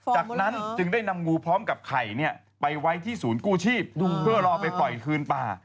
จากนั้นจึงได้นำงูพร้อมกับไข่ไปไว้ที่ศูนย์กู้ชีพเพื่อรอไปปล่อยคืนป่า